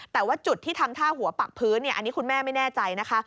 แต่ว่าจุดที่ทำท่าหัวปักพื้นอันนี้คุณแม่ไม่แน่ใจนะคะ